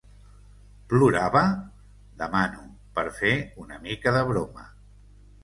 Plorava? —demano, per fer una mica de broma.